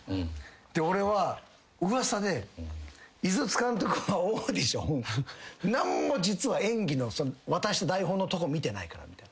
俺は噂で井筒監督はオーディション何も実は演技渡した台本のとこ見てないからみたいな。